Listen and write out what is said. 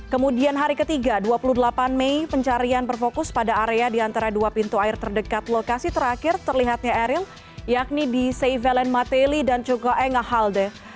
kemudian hari ketiga dua puluh delapan mei pencarian berfokus pada area di antara dua pintu air terdekat lokasi terakhir terlihatnya eril yakni di seivelen mateli dan juga engah halde